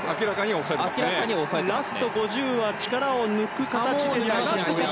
ラスト５０は力を抜く、流す形。